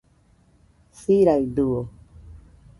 Siraidɨo